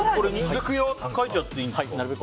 書いちゃっていいんですか。